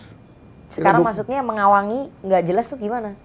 sekarang maksudnya mengawangi enggak jelas itu gimana